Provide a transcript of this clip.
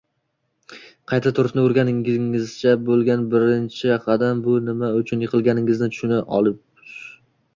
qayta turishni o’rganishingizgacha bo’lgan birinchi qadam bu nima uchun yiqilishingizni tushunib olish